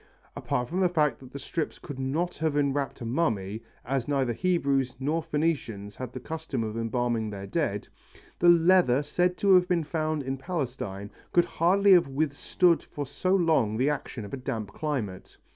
Apart from the fact that the strips could not have enwrapped a mummy, as neither Hebrews nor Phœnicians had the custom of embalming their dead, the leather said to have been found in Palestine could hardly have withstood for so long the action of a damp climate.